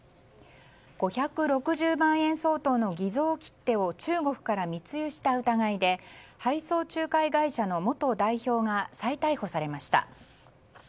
５６０万円相当の偽造切手を中国から密輸した疑いで配送仲介会社の元代表が再逮捕されました。